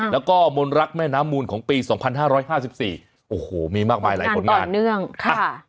แล้วก็มนรักแม่น้ำมูลของปี๒๕๕๔โอ้โหมีมากมายหลายผลงาน